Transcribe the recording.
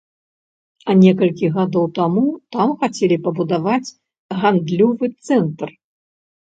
А некалькі гадоў таму там хацелі пабудаваць гандлёвы цэнтр.